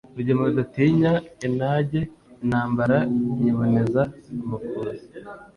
Rugema rudatinya intanage intambara nyiboneza amakuza,